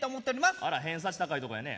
あら偏差値高いとこやね。